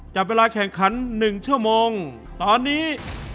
จับเวลาแข่งขัน๑ชั่วโมงตอนนี้